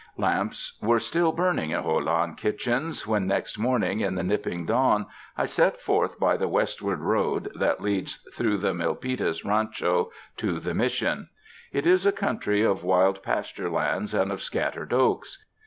Lamps were still burning in Jolon kitchens when, next morning in the nipping dawn, I set forth b}' the westward road that leads through the Milpi tas Eancho to the Mission. It is a country of wild pasture lands and of scattered oaks.